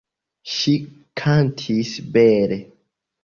Ŝi kantis bele.